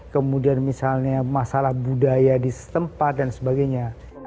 kemudian misalnya masalah budaya di setempat dan sebagainya